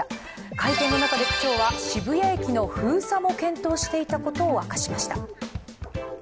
会見の中で区長は渋谷駅の封鎖も検討していたことを明かしました。